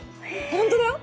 本当だよ！